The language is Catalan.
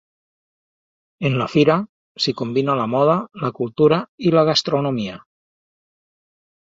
En la fira, s’hi combina la moda, la cultura i la gastronomia.